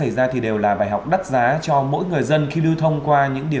điều chị chăn trời nhất